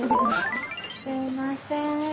すいません。